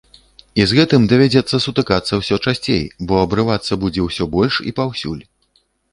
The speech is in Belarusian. І з гэтым давядзецца сутыкацца ўсё часцей, бо абрывацца будзе ўсё больш і паўсюль.